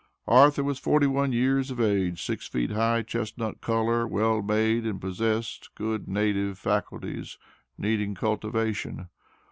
Arthur was forty one years of age, six feet high chestnut color, well made, and possessed good native faculties needing cultivation.